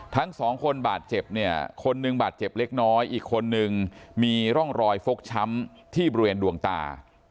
ทั้งสองคนบาดเจ็บเนี่ยคนหนึ่งบาดเจ็บเล็กน้อยอีกคนนึงมีร่องรอยฟกช้ำที่บริเวณดวงตา